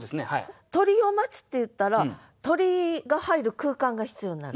「鳥を待つ」っていったら鳥が入る空間が必要になる。